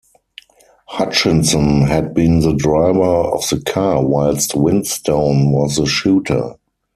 Hutchinson had been the driver of the car whilst Winstone was the shooter.